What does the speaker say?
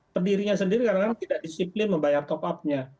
pendirinya sendiri kadang kadang tidak disiplin membayar top up nya